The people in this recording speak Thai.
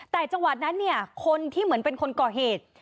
แต่จังหวัดนั้นเนี่ยคนที่เหมือนเป็นคนก่อเหตุ